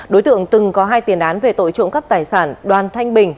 đối tượng từng có hai tiền án về tội trộm cắp tài sản đoàn thanh bình